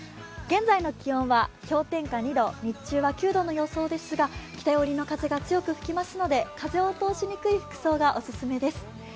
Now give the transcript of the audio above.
現在の気温は氷点下２度、日中は９度の予想ですが北寄りの風が強く吹きますので、風を通しにくい服装がオススメです。